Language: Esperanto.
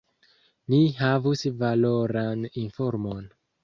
Ni havus valoran informon.